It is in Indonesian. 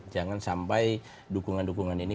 jangan sampai dukungan dukungan ini